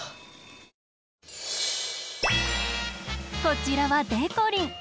こちらはでこりん。